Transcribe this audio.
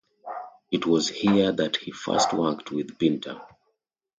It was here that he first worked with Pinter.